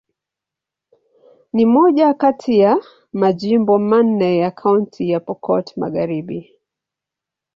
Ni moja kati ya majimbo manne ya Kaunti ya Pokot Magharibi.